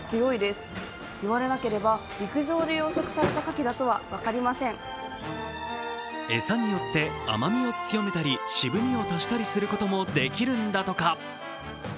気になるのは、その味ですが餌によって甘みを強めたり渋みを足したりすることもできるんだとか。